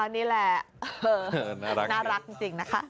นี่แหละน่ารักจริงนะคะ